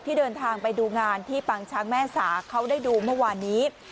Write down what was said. ที่เดินทางไปดูงานที่ปางช้างแม่สาเขาได้ดูเมื่อวานนี้